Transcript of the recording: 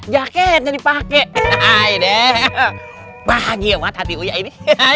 pake pake deh bahagia matapi ini